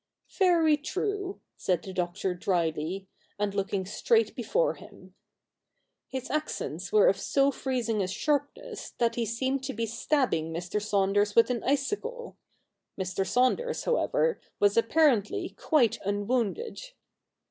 ' Very true,' said the Doctor drily, and looking straight before him. His accents were of so freezing a sharpness that he seemed to be stabbing Mr. Saunders with an icicle. Mr. Saunders, however, was apparently quite unwounded.